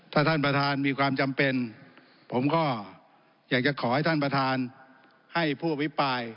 ถ้าท่านประธานมีความจำเป็นผมก็อยากจะขอให้ท่านประธานให้ผู้อภิปราย